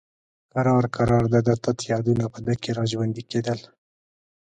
کرار کرار د ده تت یادونه په ده کې را ژوندي کېدل.